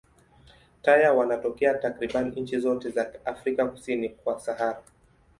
Taya wanatokea takriban nchi zote za Afrika kusini kwa Sahara.